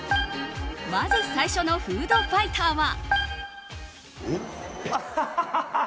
まず最初のフードファイターは。